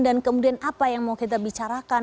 dan kemudian apa yang mau kita bicarakan